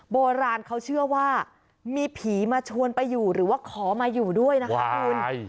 โบราณเขาเชื่อว่ามีผีมาชวนไปอยู่หรือว่าขอมาอยู่ด้วยนะคะคุณ